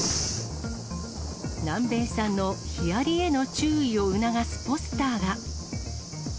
南米産のヒアリへの注意を促すポスターが。